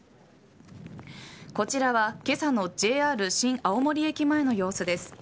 こちらは今朝のＪＲ新青森駅前の様子です。